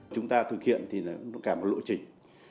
chúng ta thực hiện thì cả một lộ trình